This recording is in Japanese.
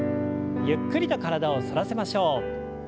ゆっくりと体を反らせましょう。